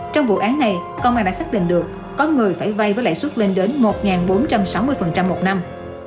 trong vụ án này công an đã xác định được có người phải vay với lãi suất lên đến một bốn trăm sáu mươi một năm